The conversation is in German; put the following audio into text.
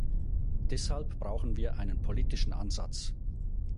Deshalb brauchen wir einen politischen Ansatz.